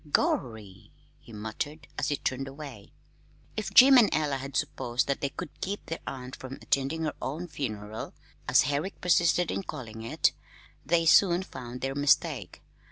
"Gorry!" he muttered, as he turned away. If Jim and Ella had supposed that they could keep their aunt from attending her own "funeral" as Herrick persisted in calling it they soon found their mistake.